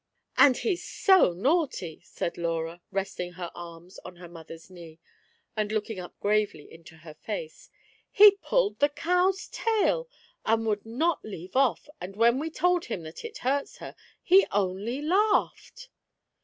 "And he's so naughty," said Laura, resting her arms on her mother's knee, and looking up gravely into her face. *' He pulled the cow's tail, and would not leave off, and when we told him that it hurt her, he only laughed